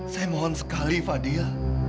saya mohon sekali fadil